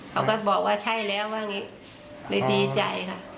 เขาก็บอกว่าใช่แล้วบ้างเลยดีใจค่ะ